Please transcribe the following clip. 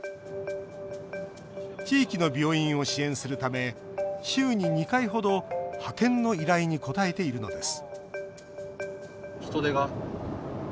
地域の病院を支援するため週に２回程派遣の依頼に応えているのです